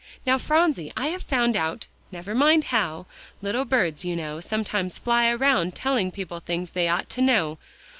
"Now, Phronsie, I have found out never mind how; little birds, you now, sometimes fly around telling people things they ought to know.